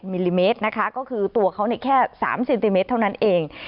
มิลลิเมตรนะคะก็คือตัวเขาแค่๓เซนติเมตรเท่านั้นเอง